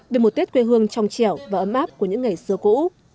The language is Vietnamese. về một tết quê hương trong trẻo và ấm áp của những ngày xưa cũ